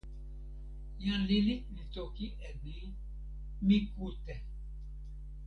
jan lili li toki e ni: "mi kute".